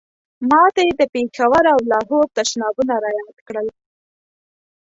ما ته یې د پېښور او لاهور تشنابونه را یاد کړل.